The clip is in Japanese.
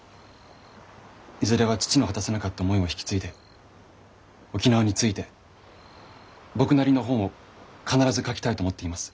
いずれは父の果たせなかった思いも引き継いで沖縄について僕なりの本を必ず書きたいと思っています。